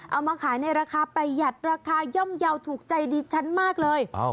เอามาขายในราคาประหยัดราคาย่อมเยาว์ถูกใจดิฉันมากเลย